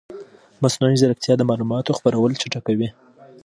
مصنوعي ځیرکتیا د معلوماتو خپرول چټکوي.